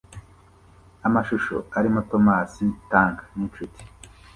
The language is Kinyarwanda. Amashusho arimo Thomas Tank n'inshuti